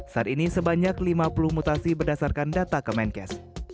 saat ini sebanyak lima puluh mutasi berdasarkan data kemenkes